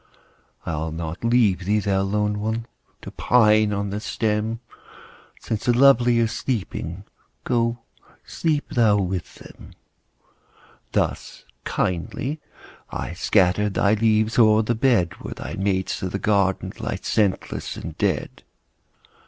I'll not leave thee, thou lone one ! To pine on the stem ; Since the lovely are sleeping, Go sleep thou with them. Thus kindly I scatter Thy leaves o'er the bed, Where thy mates of the garden Lie scentless and dead.